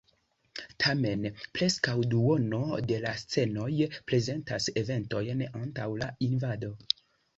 Tamen preskaŭ duono de la scenoj prezentas eventojn antaŭ la invado.